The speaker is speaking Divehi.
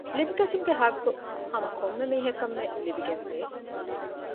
ލިބިގަތުމުގެ ޙައްޤު ހަމަ ކޮންމެ މީހަކަށްމެ ލިބިގެންވޭ